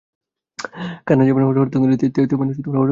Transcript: কান্না যেমন হঠাৎ তুঙ্গে উঠেছিল, তেমনি হঠাৎই নেমে গেল।